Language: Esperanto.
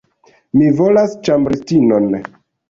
Mi volas ĉambristinon.